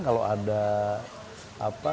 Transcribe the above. kalau ada keperluan dan sebagainya